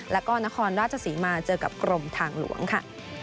แล้วก็นครราชศรีมาเจอกับกรมทางหลวงค่ะ